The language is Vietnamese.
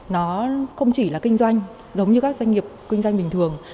nó không chỉ là kinh doanh giống như các doanh nghiệp kinh doanh bình thường